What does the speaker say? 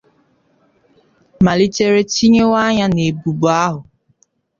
malitere tinyewe anya n’ebubo ahụ